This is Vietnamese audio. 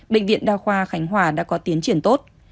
bệnh viện đa khoa khánh hòa đã có tiến triển tốt